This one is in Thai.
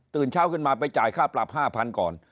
เช้าขึ้นมาไปจ่ายค่าปรับ๕๐๐ก่อน